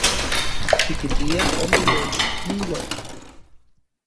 Tikinpia ome moitskuinuan.